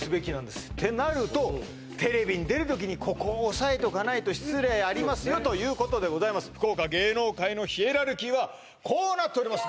そうやわてなるとテレビに出る時にここを押さえとかないと失礼ありますよということでございます福岡芸能界のヒエラルキーはこうなっております